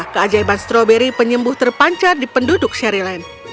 keajaiban stroberi penyembuh terpancar di penduduk sherry lane